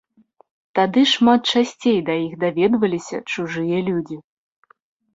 Тады шмат часцей да іх даведваліся чужыя людзі.